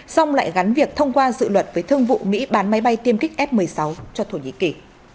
xong lại gắn việc thông qua dự luật với thương vụ mỹ bán máy bay tiêm kích f một mươi sáu cho thổ nhĩ kỳ